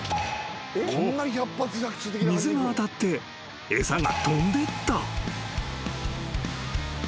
［水が当たって餌が飛んでった］